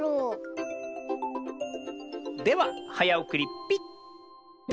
でははやおくりピッ！